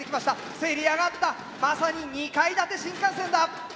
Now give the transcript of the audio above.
せり上がったまさに２階建て新幹線だ。